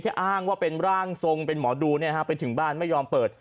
อ้างว่าเป็นร่างทรงเป็นหมอดูไปถึงบ้านไม่ยอมเปิด